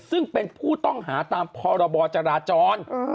ซึ่งเป็นผู้ต้องหาตามพรบจราจร